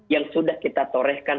yang sudah kita torehkan